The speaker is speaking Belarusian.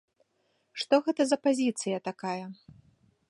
Што гэта за пазіцыя такая?